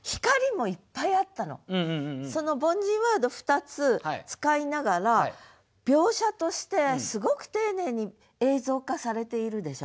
その凡人ワード２つ使いながら描写としてすごく丁寧に映像化されているでしょ？